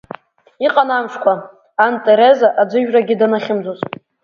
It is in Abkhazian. Иҟан амшқәа Ан Тереза аӡыжәрагьы данахьымӡоз.